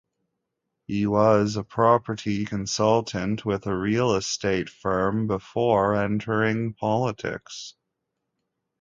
He was a property consultant with a real estate firm before entering politics.